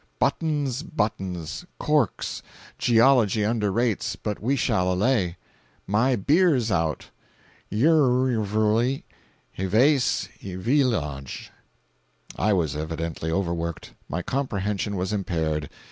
Buttons, buttons, corks, geology underrates but we shall allay. My beer's out. Yrxwly, HEVACE EVEELOJ.' "I was evidently overworked. My comprehension was impaired.